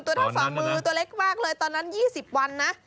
ตัวเท่าฝ่ามือตัวเล็กมากเลยตอนนั้น๒๐วันนะ